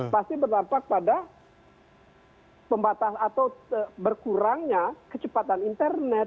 pasti berdampak pada pembatas atau berkurangnya kecepatan internet